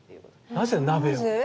なぜ鍋を？